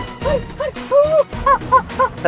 tenang ibu tarik nafas